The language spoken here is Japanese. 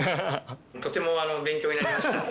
とても勉強になりました。